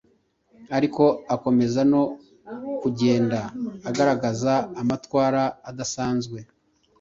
ariko akomeza no kugenda agaragaza amatwara adasanzwe.